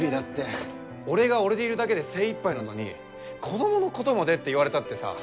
俺が俺でいるだけで精いっぱいなのに子どものことまでって言われたってさ。